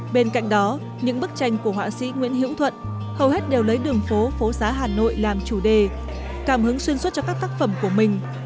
bên cạnh đó những bức tranh của họa sĩ nguyễn hiễu thuận hầu hết đều lấy đường phố phố xá hà nội làm chủ đề cảm hứng xuyên suốt cho các tác phẩm của mình